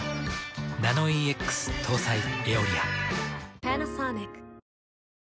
ナノイーＸ搭載「エオリア」。